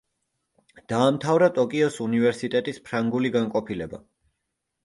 დაამთავრა ტოკიოს უნივერსიტეტის ფრანგული განყოფილება.